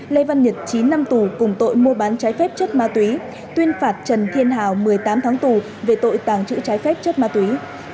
lê văn nhật chín năm tù cùng tội mua bán trái phép chất ma túy tuyên phạt trần thiên hào một mươi tám tháng tù về tội tàng trữ trái phép chất ma túy